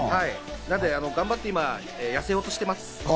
頑張って今、痩せようとしています。